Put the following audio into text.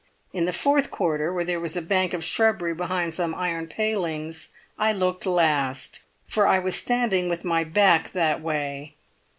In the fourth quarter, where there was a bank of shrubbery behind some iron palings, I looked last, for I was standing with my back that way.